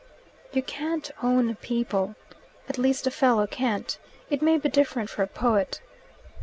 "You can't own people. At least a fellow can't. It may be different for a poet.